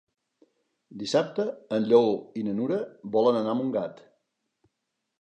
Dissabte en Lleó i na Nura volen anar a Montgat.